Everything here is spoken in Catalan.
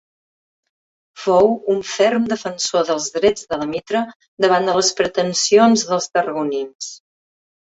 Fou un ferm defensor dels drets de la Mitra davant de les pretensions dels tarragonins.